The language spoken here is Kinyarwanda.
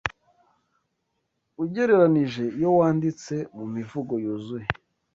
Ugereranije iyo wanditse mumivugo yuzuye